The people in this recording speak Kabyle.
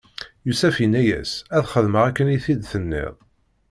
Yusef inna-as: Ad xedmeɣ akken i t-id-tenniḍ.